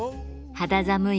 肌寒い